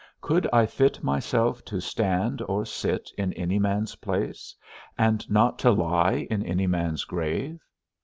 Could I fit myself to stand or sit in any man's place, and not to lie in any man's grave?